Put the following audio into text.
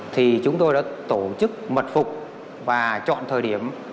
thì chúng tôi đã tổ chức mật phục và chọn thời điểm